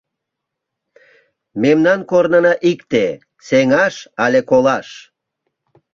Мемнан корнына икте: сеҥаш але колаш!